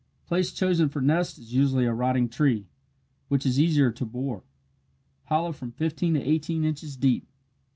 Place chosen for nest is usually a rotting tree, which is easier to bore. Hollow from fifteen to eighteen inches deep.